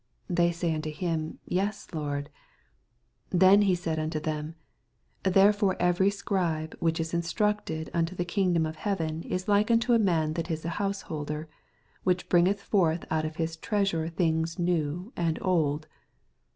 They 0ay unto him^ Yea, Lord. 52 Then Baid he anto thorn, There fore every Scribe which U instructed anto the kingdom of heaven is like nnto a man wiai ia an hoaseholder, which bringeth forth out of his trea sure things new and old.